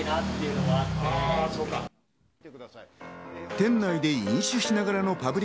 店内で飲酒しながらのパブリ